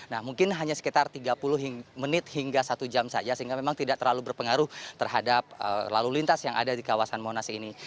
nah mungkin hanya sekitar tiga puluh menit hingga satu jam saja sehingga memang tidak terlalu berpengaruh terhadap lalu lintas yang ada di kawasan monas ini